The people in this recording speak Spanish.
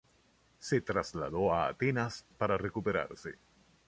Se trasladó a Atenas para recuperarse.